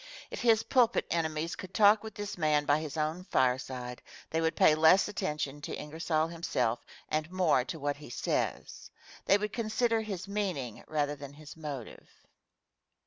If his pulpit enemies could talk with this man by his own fireside, they would pay less attention to Ingersoll himself and more to what he says. They would consider his meaning, rather than his motive.